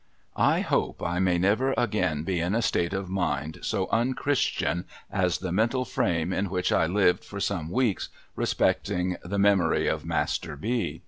I hope I may never again be in a state of mind so unchristian as the mental frame in which I lived for some weeks, respecting the memory of Master B.